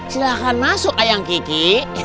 silahkan masuk ayang kiki